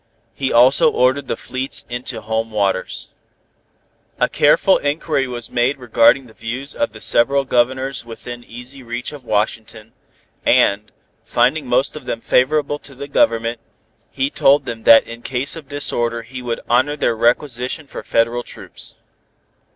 He also ordered the fleets into home waters. A careful inquiry was made regarding the views of the several Governors within easy reach of Washington, and, finding most of them favorable to the Government, he told them that in case of disorder he would honor their requisition for federal troops.